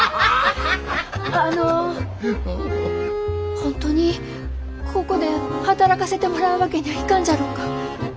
本当にここで働かせてもらうわけにゃあいかんじゃろうか。